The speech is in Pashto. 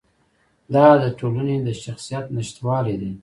دا د ټولنې د شخصیت نشتوالی دی.